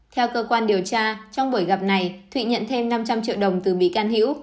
theo cơ quan điều tra trong buổi gặp này thụy nhận thêm năm trăm linh triệu đồng từ bị can hiễu